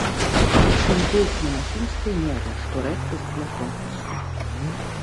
Прычым песня на фінскай мове, што рэдкасць для конкурсу.